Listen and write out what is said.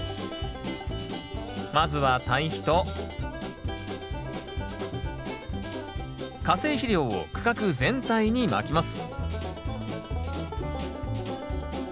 まずは堆肥と化成肥料を区画全体にまきます